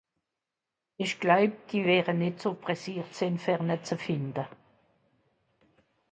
Ìch gläub, die wäre nìtt so presseert sìn, fer ne ze fìnde.